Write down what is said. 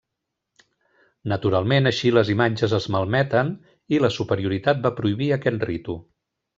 Naturalment així les imatges es malmeten i la superioritat va prohibir aquest ritu.